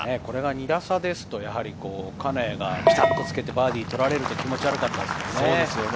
２打差ですと、金谷がピタッとつけてバーディーを取られると気持ち悪かったですよね。